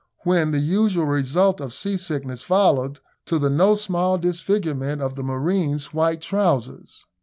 when the usual result of seasickness followed, to the no small disfigurement of the marine's white trousers.